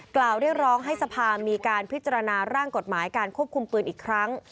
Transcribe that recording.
กล่าวเรียกร้องให้สภามีการพิจารณาร่างกฎหมายการควบคุมปืนอีกครั้ง